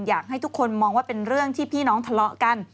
อยากให้ทุกคนมองว่าเป็นเรื่องที่พี่น้องทะเลาะกัน